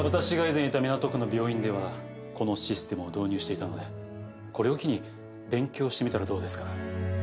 私が以前いた港区の病院ではこのシステムを導入していたのでこれを機に勉強してみたらどうですか？